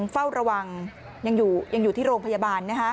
เฝ้าระวังยังอยู่ที่โรงพยาบาล